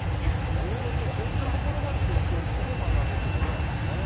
いろいろとそういったところまで性教育で学ぶってことなんですね。